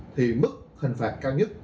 thì mức hình phạt cao nhất